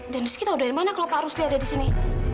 den rizky tau dari mana kalau pak rusli ada disini